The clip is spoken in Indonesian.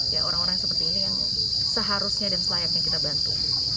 ya orang orang seperti ini yang seharusnya dan selayaknya kita bantu